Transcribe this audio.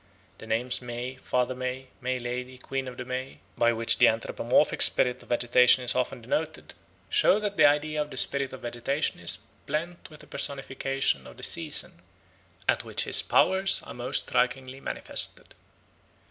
The names May, Father May, May Lady, Queen of the May, by which the anthropomorphic spirit of vegetation is often denoted, show that the idea of the spirit of vegetation is blent with a personification of the season at which his powers are most strikingly manifested."